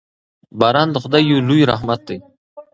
باران د خدای یو لوی رحمت دی.